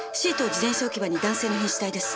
自転車置き場に男性の変死体です。